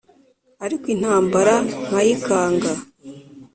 ariko intambara nkayikanga